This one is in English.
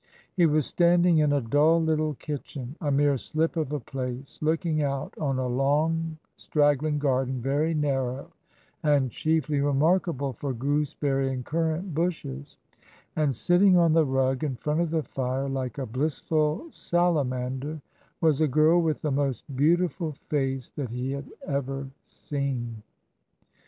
He was standing in a dull little kitchen a mere slip of a place looking out on a long straggling garden, very narrow, and chiefly remarkable for gooseberry and currant bushes; and sitting on the rug in front of the fire, like a blissful salamander, was a girl with the most beautiful face that he had ever seen.